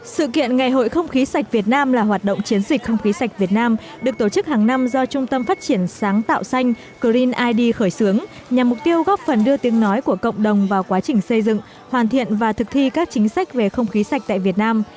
sự kiện ngày hội không khí sạch việt nam là hoạt động chiến dịch không khí sạch việt nam được tổ chức hàng năm do trung tâm phát triển sáng tạo xanh green id khởi xướng nhằm mục tiêu góp phần đưa tiếng nói của cộng đồng vào quá trình xây dựng hoàn thiện và thực thi các chính sách về không khí sạch tại việt nam